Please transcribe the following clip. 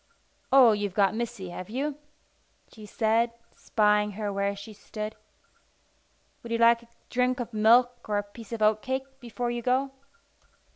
"Oh, you've got Missy, have you?" she said, spying her where she stood. "Would you like a drink of milk or a piece of oatcake before you go?"